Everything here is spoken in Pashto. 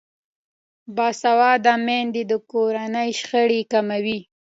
باسواده میندې د کورنۍ شخړې کموي.